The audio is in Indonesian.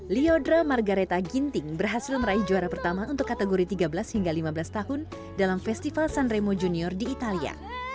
liodra margareta ginting berhasil meraih juara pertama untuk kategori tiga belas hingga lima belas tahun dalam festival sanremo junior di italia